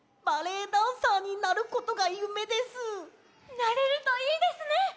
なれるといいですね！